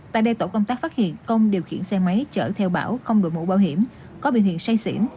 tại đây tổ công tác phát hiện công điều khiển xe máy chở theo bảo không đội mũ bảo hiểm có biểu hiện say xỉn